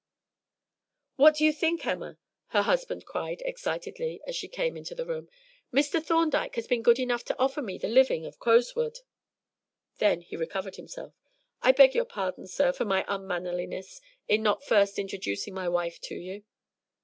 "What do you think, Emma?" her husband said excitedly, as she came into the room. "Mr. Thorndyke has been good enough to offer me the living of Crowswood." Then he recovered himself. "I beg your pardon, sir, for my unmannerliness in not first introducing my wife to you."